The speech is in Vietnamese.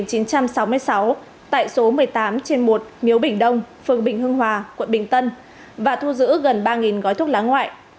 sinh năm một nghìn chín trăm sáu mươi sáu tại số một mươi tám trên một miếu bình đông phường bình hương hòa quận bình tân và thu giữ gần ba gói thuốc lá ngoại